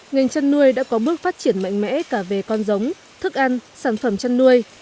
ngành chăn nuôi đã có bước phát triển mạnh mẽ cả về con giống thức ăn sản phẩm chăn nuôi